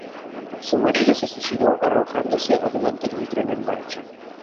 Su marido se suicidó arrojándose delante de un tren en marcha.